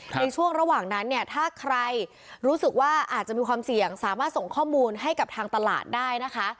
ในช่วงระหว่างนั้นเนี่ยถ้าใครรู้สึกว่าอาจจะมีความเสี่ยงสามารถส่งข้อมูลให้กับทางตลาดได้นะคะ